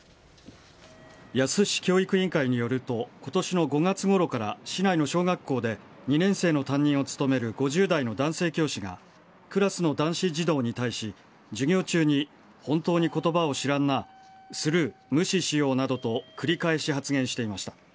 野洲市教育委員会によると今年の５月ごろから市内の小学校で２年生の担任を務める５０代の男性教師がクラスの男子児童に対し授業中に本当に言葉を知らんなスルー、無視しようなどと繰り返し発言していました。